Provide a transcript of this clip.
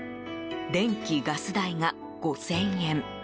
電気・ガス代が５０００円。